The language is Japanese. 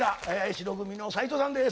白組の斉藤さんです。